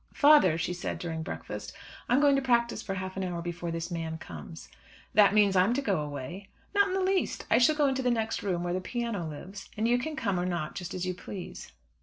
"Father," she said, during breakfast, "I'm going to practise for half an hour before this man comes." "That means that I'm to go away." "Not in the least. I shall go into the next room where the piano lives, and you can come or not just as you please.